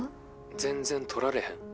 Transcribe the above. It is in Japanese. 全然取られへん。